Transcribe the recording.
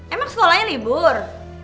emang sekolahnya libur